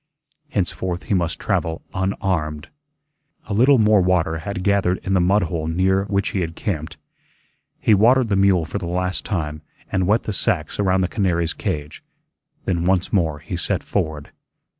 Henceforth he must travel unarmed. A little more water had gathered in the mud hole near which he had camped. He watered the mule for the last time and wet the sacks around the canary's cage. Then once more he set forward.